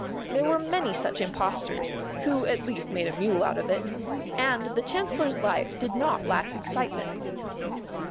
There were many such impostors (who at least made a mule out of it), and the Chancellor's life did not lack excitement.